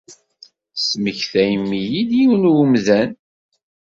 Tesmektayem-iyi-d yiwen n wemdan.